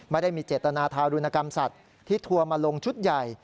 ไม่ได้มีเจตนาทารุณกรรมสัตว์ที่ทัวร์มาลงชุดใหญ่